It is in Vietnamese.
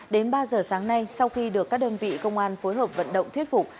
đến ba giờ sáng nay sau khi được các đơn vị công an phối hợp vận động thuyết phục